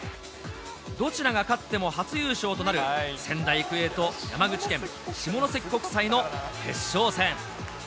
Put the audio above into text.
どちらが勝っても初優勝となる、仙台育英と山口県・下関国際の決勝戦。